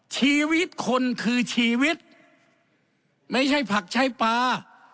ชีวิตคนคือชีวิตไม่ใช่ผักใช้ปลา